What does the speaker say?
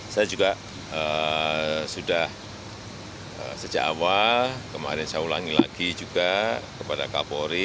saya juga sudah sejak awal kemarin saya ulangi lagi juga kepada kapolri